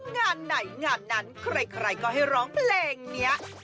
งานไหนงานนั้นใครก็ให้ร้องเพลงนี้